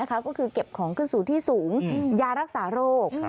ก็คือเก็บของขึ้นสู่ที่สูงยารักษาโรค